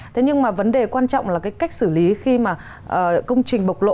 thế nhưng mà vấn đề quan trọng là cái cách xử lý khi mà công trình bộc lộ